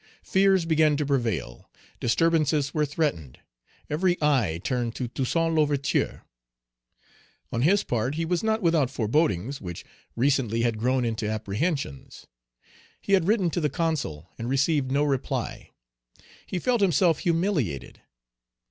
Fears began to prevail, disturbances were threatened. Every eye turned to Toussaint L'Ouverture. On his part, he was not without forebodings, which recently had grown into apprehensions. He had written to the Consul, and received no reply. He felt himself humiliated.